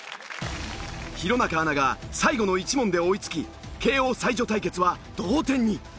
弘中アナが最後の１問で追いつき慶應才女対決は同点に。